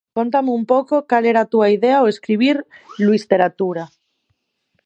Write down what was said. Cóntame un pouco cal era a túa idea ao escribir 'Luisteratura'.